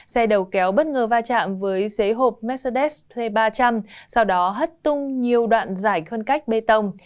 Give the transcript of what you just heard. xe đầu kéo bất ngờ va chạm với xế hộp mercedes t ba trăm linh sau đó hất tung nhiều đoạn dải khuân cách bê tông